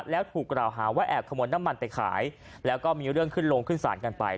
แล้วถูกกล่าวหาว่าแอบขโมยน้ำมันไปขายแล้วก็มีเรื่องขึ้นลงขึ้นสารกันไป